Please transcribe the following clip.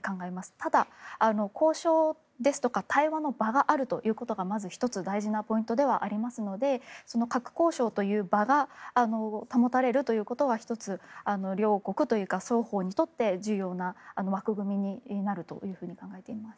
ただ、交渉ですとか対話の場があるということがまず１つ大事なポイントではありますので核交渉という場が保たれるということは１つ、両国というか双方にとって重要な枠組みになると考えています。